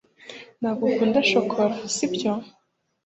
Ntabwo ukunda shokora sibyo